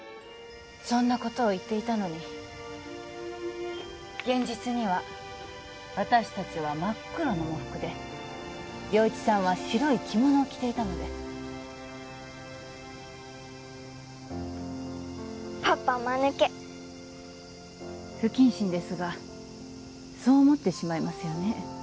そんなことを言っていたのに現実には私達は真っ黒の喪服で良一さんは白い着物を着ていたのでパパまぬけ不謹慎ですがそう思ってしまいますよね